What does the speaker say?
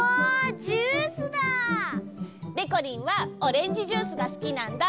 ジュースだ！でこりんはオレンジジュースがすきなんだ！